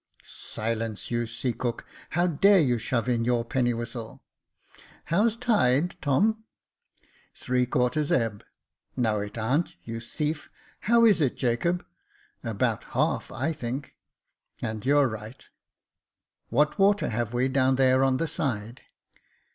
" Silence, you sea cook ! how dare you shove in your penny whistle ? How's tide, Tom ?"" Three quarters ebb." *' No, it a' n't, you thief j how is it, Jacob ?"« About half, I think." And you're right." What water have we down here on the side